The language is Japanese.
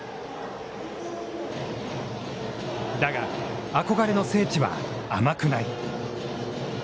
だが、憧れの聖地は甘くない。